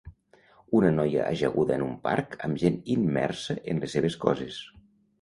Una noia ajaguda en un parc amb gent immersa en les seves coses.